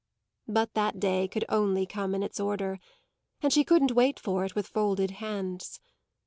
But that day could only come in its order, and she couldn't wait for it with folded hands.